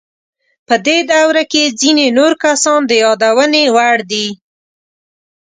په دې دوره کې ځینې نور کسان د یادونې وړ دي.